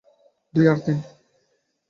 দুই আর তিন।